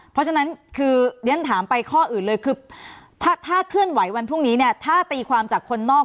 เพราะฉะนั้นคือเรียนถามไปข้ออื่นเลยคือถ้าเคลื่อนไหววันพรุ่งนี้เนี่ยถ้าตีความจากคนนอก